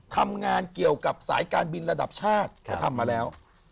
ทำงานเกี่ยวกับสายการบินระดับชาติเขาทำมาแล้ว